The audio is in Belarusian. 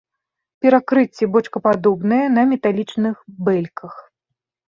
Перакрыцце бочкападобнае на металічных бэльках.